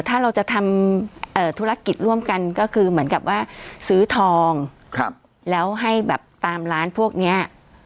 ถ้าเราจะทำธุรกิจร่วมกันก็คือเหมือนกับว่าซื้อทองแล้วให้แบบตามร้านพวกนี้